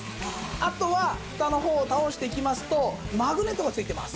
あとはふたの方を倒していきますとマグネットが付いています。